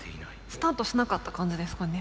スタートしなかった感じですかね。